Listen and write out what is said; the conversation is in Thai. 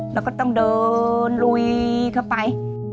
แล้วก็ต้องเดินลุยเข้าไป